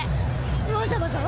わざわざ？